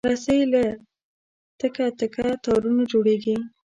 رسۍ له تکه تکه تارونو جوړېږي.